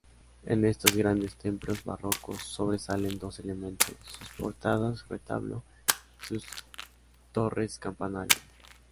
En estos grandes templos barrocos sobresalen dos elementos: sus portadas-retablo y sus torres-campanario.